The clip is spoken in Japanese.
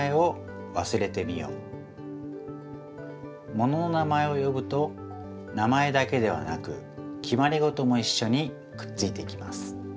ものの名前をよぶと名前だけではなく決まりごともいっしょにくっついてきます。